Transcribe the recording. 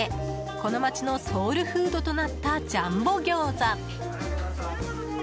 この街のソウルフードとなったジャンボギョーザ。